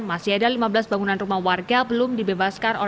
masih ada lima belas bangunan rumah warga belum dibebaskan